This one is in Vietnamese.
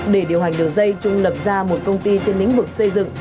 để điều hành đường dây trung lập ra một công ty trên lĩnh vực xây dựng